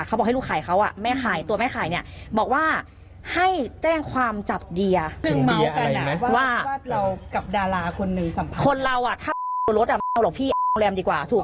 เขาบอกให้ลูกขายเขาแม่ขายตัวแม่ขายเนี่ยบอกว่าให้แจ้งความจับเดีย